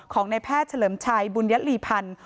ของนายแพทย์เฉลิมชัยบุญญัตรีพันธ์